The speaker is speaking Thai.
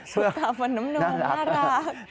ซุปตาฝันน้ำหน่มน่ารักนะครับ